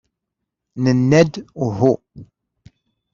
Nenna-d uhu.